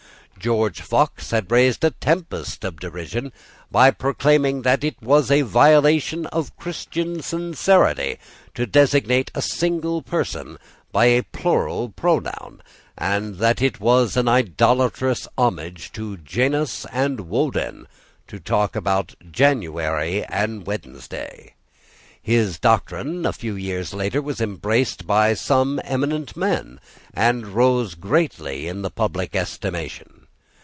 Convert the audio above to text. George Fox had raised a tempest of derision by proclaiming that it was a violation of Christian sincerity to designate a single person by a plural pronoun, and that it was an idolatrous homage to Janus and Woden to talk about January and Wednesday. His doctrine, a few years later, was embraced by some eminent men, and rose greatly in the public estimation.